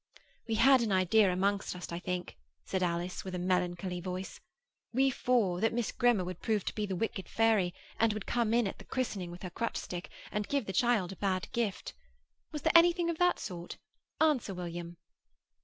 'We had an idea among us, I think,' said Alice, with a melancholy smile, 'we four, that Miss Grimmer would prove to be the wicked fairy, and would come in at the christening with her crutch stick, and give the child a bad gift. Was there anything of that sort? Answer, William.